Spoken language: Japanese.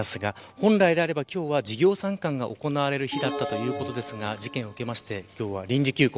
本来であれば今日は授業参観が行われる日だったということですが事件を受けて今日は臨時休校。